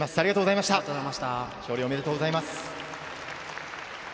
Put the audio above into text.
勝利おめでとうございます。